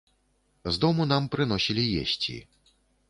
З дому нам прыносілі есці.